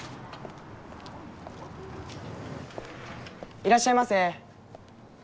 いらっしゃいませ。